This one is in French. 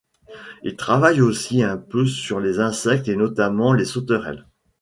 Il travaille aussi un peu sur les insectes et notamment les sauterelles.